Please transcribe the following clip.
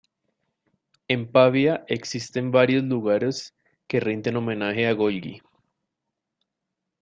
En Pavia existen varios lugares que rinden homenaje a Golgi.